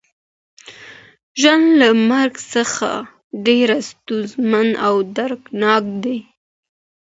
ژوند له مرګ څخه ډیر ستونزمن او دردناک دی.